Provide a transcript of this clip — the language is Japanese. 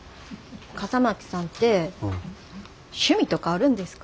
笠巻さんて趣味とかあるんですか？